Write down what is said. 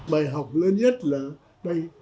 bài học lớn nhất là đây